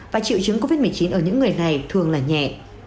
và triệu chứng covid một mươi chín ở những người này thường là nhẹ